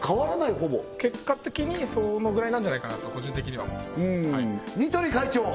ほぼ結果的にそのぐらいなんじゃないかなと個人的には思ってます似鳥会長！